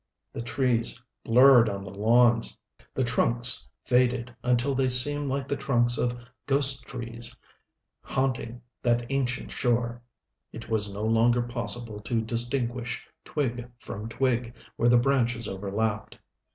The trees blurred on the lawns. The trunks faded until they seemed like the trunks of ghost trees, haunting that ancient shore. It was no longer possible to distinguish twig from twig where the branches overlapped.